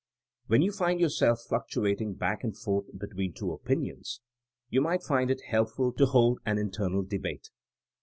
''^ When you find yourself fluctuating back and forth between two opinions you might find it helpful to hold an internal debate.